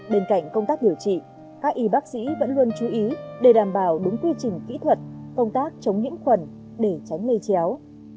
bên cạnh công tác điều trị các y bác sĩ vẫn luôn chú ý để đảm bảo đúng quy trình kỹ thuật công tác chống những khuẩn để tránh lây chéo